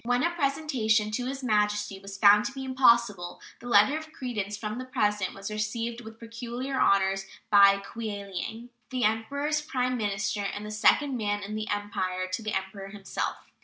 When a presentation to His Majesty was found to be impossible, the letter of credence from the President was received with peculiar honors by Kweiliang, "the Emperor's prime minister and the second man in the Empire to the Emperor himself."